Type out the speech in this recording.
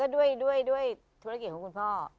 ด้วยธุรกิจของคุณพ่อ